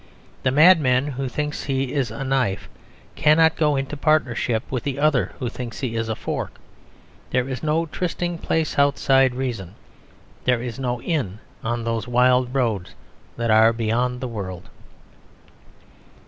The madman who thinks he is a knife cannot go into partnership with the other who thinks he is a fork. There is no trysting place outside reason; there is no inn on those wild roads that are beyond the world.